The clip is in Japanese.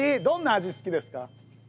どんな味好きですか？